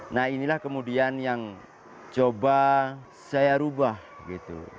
nah inilah kemudian yang coba saya ubah gitu